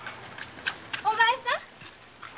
お前さん。